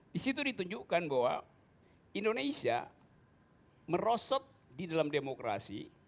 di situ ditunjukkan bahwa indonesia merosot di dalam demokrasi